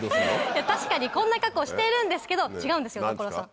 確かにこんな格好しているんですけど違うんですよ所さん